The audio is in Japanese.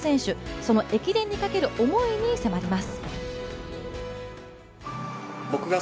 その駅伝にかける思いに迫ります。